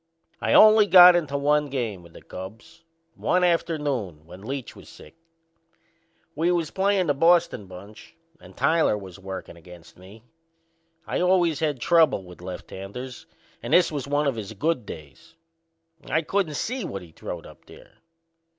I only got into one game with the Cubs one afternoon when Leach was sick. We was playin' the Boston bunch and Tyler was workin' against us. I always had trouble with lefthanders and this was one of his good days. I couldn't see what he throwed up there.